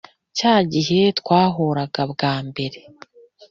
cya gihe twahuraga bwa mbere.